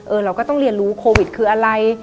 เราก็ต้องเรียนรู้โควิดคืออะไร